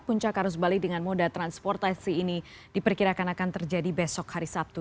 puncak arus balik dengan moda transportasi ini diperkirakan akan terjadi besok hari sabtu